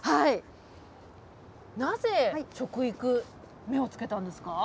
なぜ食育、目をつけたんですか。